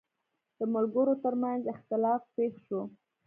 د ملګرو ترمنځ اختلاف پېښ شو.